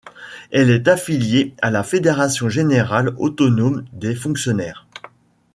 Elle est affiliée à la Fédération générale autonome des fonctionnaires.